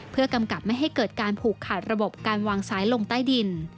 เพื่อกำกับไม่ให้เกิดการผูกขาดระบบการวางสายลงใต้ดิน